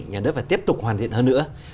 nhà đất phải tiếp tục hoàn thiện hơn nữa